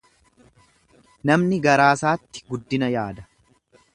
Namni garaasaatti guddina yaada.